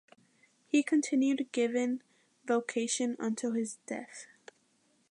He continued given vocation until his death.